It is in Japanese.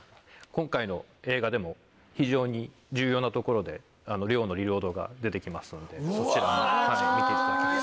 今回の映画でも非常に重要なところでのリロードが出てきますのでそちらも見ていただければ。